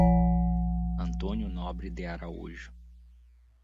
Antônio Nobre de Araújo